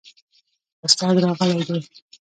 استاد راغلی دی؟